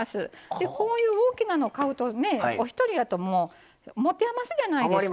こういう大きなのを買うとねお一人やともう持て余すじゃないですか。